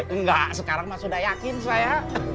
enggak sekarang mah sudah yakin saya